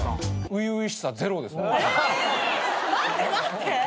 待って待って。